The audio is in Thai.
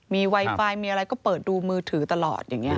มีไวไฟมีอะไรก็เปิดดูมือถือตลอดอย่างนี้